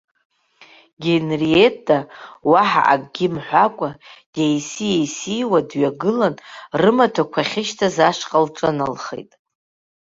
Генриетта уаҳа акгьы мҳәакәа деиси-еисиуа дҩагылан, рымаҭәақәа ахьышьҭаз ашҟа лҿыналхеит.